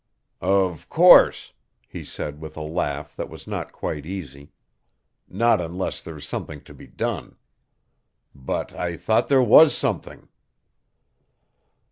"Of course," he said with a laugh that was not quite easy, "not unless there's something to be done. But I thought there was something."